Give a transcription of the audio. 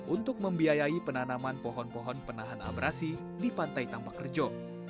untuk membiayai penanaman pohon pohon penahan abrasi di pantai tambak rejo